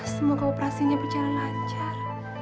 semoga operasinya berjalan lancar